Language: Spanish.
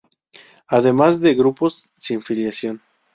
Además de grupos sin filiación.